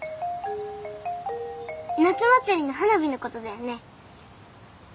夏祭りの花火のことだよね？